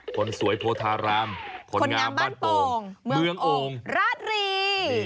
คนสวยโพธารามคนงามบ้านโป่งเมืองโอ่งราชรี